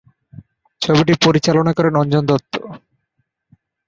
ছবিটি পরিচালনা করেন অঞ্জন দত্ত।